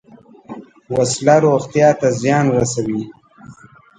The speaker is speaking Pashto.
وسله روغتیا ته زیان رسوي